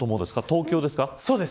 東京です。